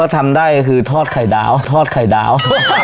ทอดไข่ดาวทอดไข่ดาว